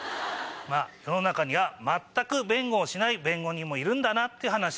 世の中には全く弁護をしない弁護人もいるんだなって話でした。